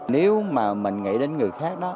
nếu mà mình nghĩ đến người khác đó